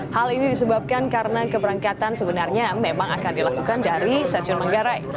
hal ini disebabkan karena keberangkatan sebenarnya memang akan dilakukan dari stasiun manggarai